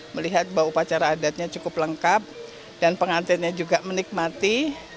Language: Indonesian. melihat bahwa upacara adatnya cukup lengkap dan pengantinnya juga menikmati